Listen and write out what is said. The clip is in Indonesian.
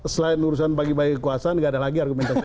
selain urusan bagi bagi kekuasaan tidak ada lagi argumentasi